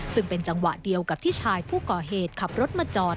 ซึ่งเป็นจังหวะเดียวกับที่ชายผู้ก่อเหตุขับรถมาจอด